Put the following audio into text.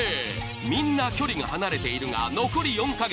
みんな距離が離れているが残り４か月。